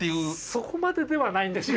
そこまでではないんです。